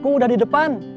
aku udah di depan